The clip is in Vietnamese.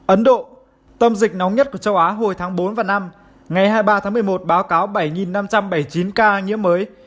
ấn độ tâm dịch nóng nhất của châu á hồi tháng bốn và năm ngày hai mươi ba tháng một mươi một báo cáo bảy năm trăm bảy mươi chín ca nhiễm mới